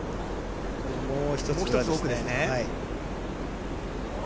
もう一つ、奥ですね。